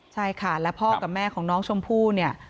ใช่ค่ะและพ่อกับแม่ของน้องชมพู่เนี่ย